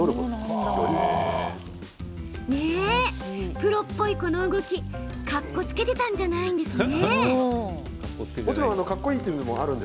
プロっぽいこの動きかっこつけてたんじゃないのね。